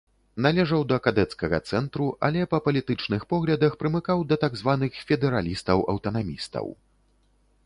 Належаў да кадэцкага цэнтру, але па палітычных поглядах прымыкаў да так званых федэралістаў-аўтанамістаў.